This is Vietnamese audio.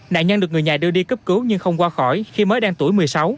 nạn nhân được người nhà đưa đi cấp cứu nhưng không qua khỏi khi mới đang tuổi một mươi sáu